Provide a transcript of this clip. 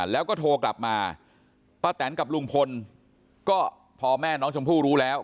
แล้วก็โทรกลับมาป้าแตนกับลุงพลก็พอแม่น้องชมพู่รู้แล้ว